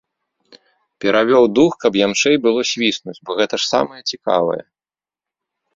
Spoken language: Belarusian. Перавёў дух, каб ямчэй было свіснуць, бо гэта ж самае цікавае.